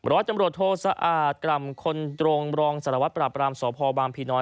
ร้อยตำรวจโทสะอาดกล่ำคนตรงรองสารวัตรปราบรามสพบางพีน้อย